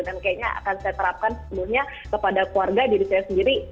dan kayaknya akan saya terapkan sebelumnya kepada keluarga diri saya sendiri